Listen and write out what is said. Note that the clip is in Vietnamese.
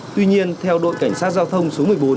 tuy nhiên theo đội cảnh sát giao thông số một mươi bốn